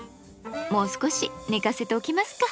もう少し寝かせておきますか。